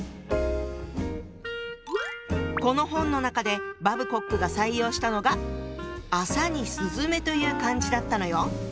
この本の中でバブコックが採用したのが「麻」に「雀」という漢字だったのよ。